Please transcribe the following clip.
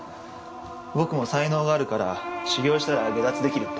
僕も才能があるから修行したら解脱できるって。